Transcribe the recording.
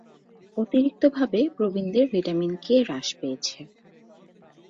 অতিরিক্তভাবে, প্রবীণদের vitamin K হ্রাস পেয়েছে।